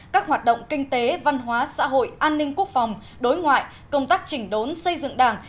các hoạt động kinh tế văn hóa xã hội an ninh quốc phòng đối ngoại công tác chỉnh đốn xây dựng đảng